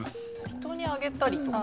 人にあげたりとか。